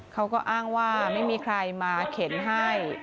เขาก็อ้างว่าไม่มีใครมาเข็นให้